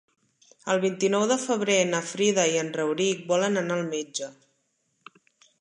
El vint-i-nou de febrer na Frida i en Rauric volen anar al metge.